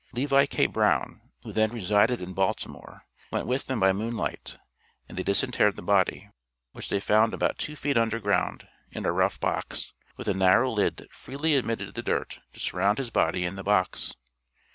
Levi K. Brown, who then resided in Baltimore, went with them by moonlight, and they disinterred the body, which they found about two feet under ground, in a rough box, with a narrow lid that freely admitted the dirt to surround his body in the box.